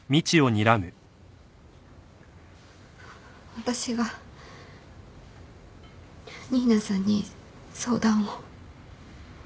私が新名さんに相談を。